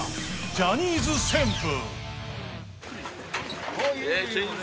ジャニーズ旋風